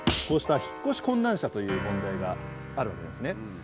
こうした引っ越し困難者という問題があるわけですね。